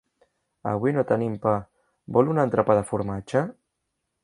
Avui no tenim pa, vol un entrepà de formatge?